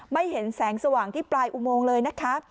ไม่เห็นแสงสว่างที่ปลายอุโมงเลยนะคะ